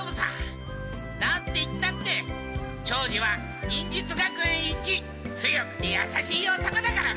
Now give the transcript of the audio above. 何て言ったって長次は忍術学園一強くてやさしい男だからな！